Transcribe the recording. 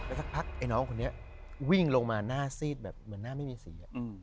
สักพักไอ้น้องคนนี้วิ่งลงมาหน้าซีดแบบเหมือนหน้าไม่มีสี